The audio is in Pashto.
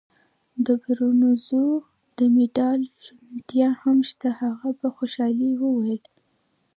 د برونزو د مډال شونتیا هم شته. هغه په خوشحالۍ وویل.